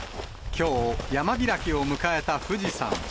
きょう、山開きを迎えた富士山。